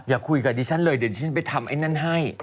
อย่าคุยกับดิฉันเลยเดี๋ยวดิฉันไปทำไอ้นั่นให้